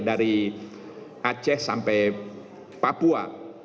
dari aceh sampai papua